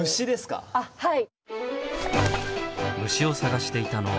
あっはい。